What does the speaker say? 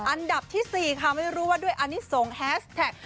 อันดับที่๔ค่ะไม่รู้ว่าด้วยอันนี้ส่งแฮสแท็ก